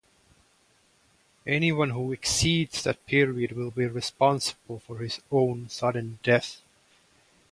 Anyone who exceeds that period will be responsible for his own sudden death.